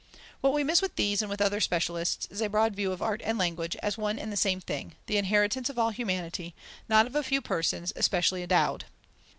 What we miss with these and with other specialists, is a broad view of art and language, as one and the same thing, the inheritance of all humanity, not of a few persons, specially endowed.